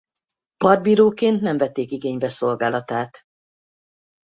Partbíróként nem vették igénybe szolgálatát.